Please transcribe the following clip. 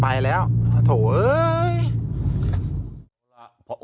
ไปแล้วโถ่เอ้ย